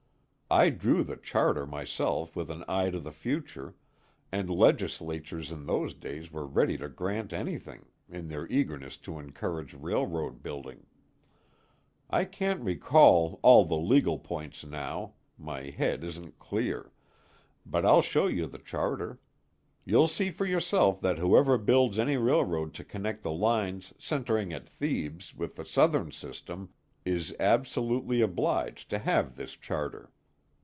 I drew the charter myself with an eye to the future, and legislatures in those days were ready to grant anything, in their eagerness to encourage railroad building. I can't recall all the legal points now my head isn't clear but I'll show you the charter. You'll see for yourself that whoever builds any railroad to connect the lines centring at Thebes with the Southern system, is absolutely obliged to have this charter."